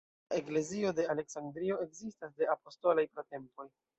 La "eklezio de Aleksandrio" ekzistas de apostolaj pratempoj.